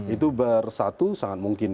itu bersatu sangat mungkin